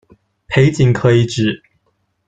裴景可以指：